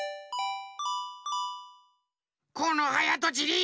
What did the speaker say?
このはやとちり！